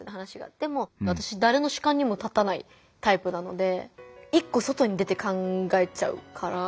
でも私誰の主観にも立たないタイプなので一個外に出て考えちゃうから。